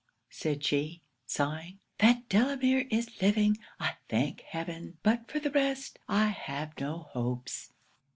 said she, sighing "that Delamere is living, I thank heaven! but for the rest I have no hopes."